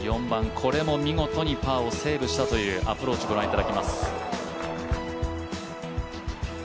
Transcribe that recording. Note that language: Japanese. ４番、これも見事にパーをセーブしたというアプローチ御覧いただきます。